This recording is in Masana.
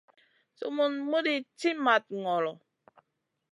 Sumun muɗi ci mat ŋolo.